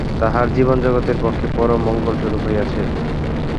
তাঁহার জীবন জগতের পক্ষে পরম মঙ্গলস্বরূপ হইয়াছে।